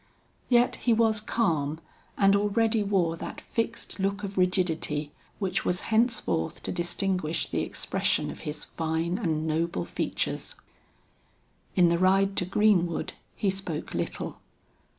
Yet he was calm, and already wore that fixed look of rigidity which was henceforth to distinguish the expression of his fine and noble features. In the ride to Greenwood he spoke little.